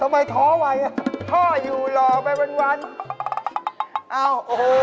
ไม่รู้เหมือนกันอ้าว